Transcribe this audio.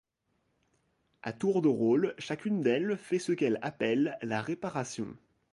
À tour de rôle chacune d'elles fait ce qu'elles appellent la réparation.